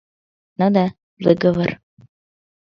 Ну да, выговор.